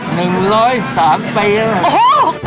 หนึ่งร้อยสามเป้าเหรอ